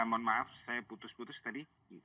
mohon maaf saya putus putus tadi